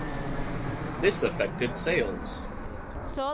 This affected sales.